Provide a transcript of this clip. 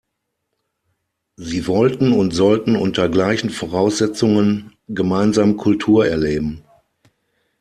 Sie wollten und sollten unter gleichen Voraussetzungen gemeinsam Kultur erleben.